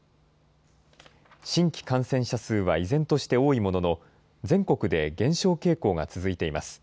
新規感染者数は依然として多いものの、全国で減少傾向が続いています。